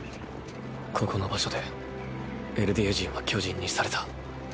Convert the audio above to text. ここの場所でエルディア人は巨人にされた。